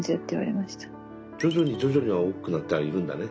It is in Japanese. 徐々に徐々には大きくなってはいるんだね。